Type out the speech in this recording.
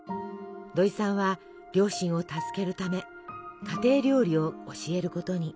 土井さんは両親を助けるため家庭料理を教えることに。